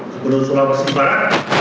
gubernur sulawesi barat